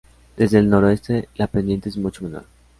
Desde el Noreste la pendiente es mucho menor.